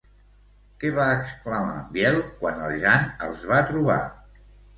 Què va exclamar en Biel quan el Jan els va trobar?